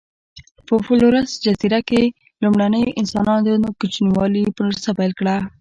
په فلورس جزیره کې لومړنیو انسانانو د کوچنیوالي پروسه پیل کړه.